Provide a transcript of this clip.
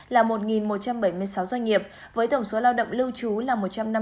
là một một trăm bảy mươi sáu doanh nghiệp với tổng số lao động lưu trú là một trăm năm mươi bốn